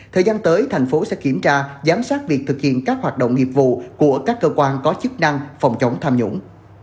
thời gian tới thành phố sẽ kiểm tra giám sát việc thực hiện các hoạt động nghiệp vụ của các cơ quan có chức năng phòng chống tham nhũng